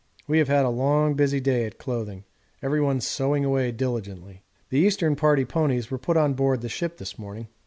We have had a long busy day at clothing everyone sewing away diligently. The Eastern Party ponies were put on board the ship this morning.